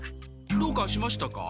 どうかしましたか？